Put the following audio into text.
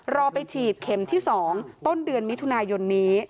รอไปฉีดเข็มที่๒ต้นเดือนมิถุนายนนี้